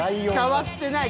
変わってない。